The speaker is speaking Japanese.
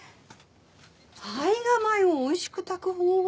胚芽米をおいしく炊く方法？